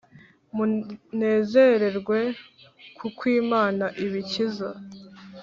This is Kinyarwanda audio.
munezerwe kukw imana ibikiza.